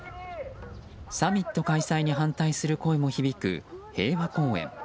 サミット開催に反対する声も響く平和公園。